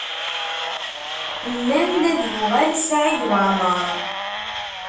Nnan-d ad yuɣal Saɛid Waɛmaṛ.